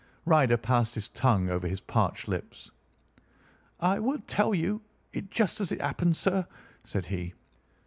Ryder passed his tongue over his parched lips. "I will tell you it just as it happened, sir," said he.